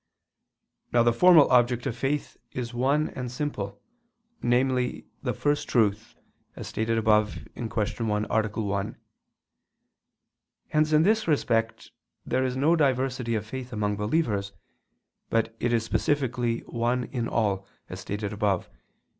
Now the formal object of faith is one and simple, namely the First Truth, as stated above (Q. 1, A. 1). Hence in this respect there is no diversity of faith among believers, but it is specifically one in all, as stated above (Q.